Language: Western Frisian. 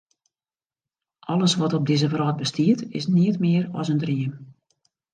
Alles wat op dizze wrâld bestiet, is neat mear as in dream.